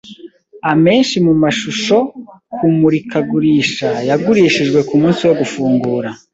Amenshi mumashusho kumurikagurisha yagurishijwe kumunsi wo gufungura.